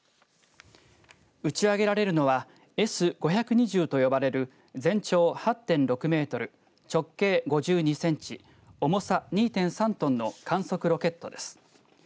打ち上げられるのはＳ‐５２０と呼ばれる全長８．６メートル直径５２センチ重さ２．３トンの観測ロケットです。